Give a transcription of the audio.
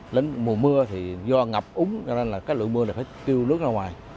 lên mùa mưa thì do ngập úng cho nên là cái lượng mưa này phải tiêu nước ra ngoài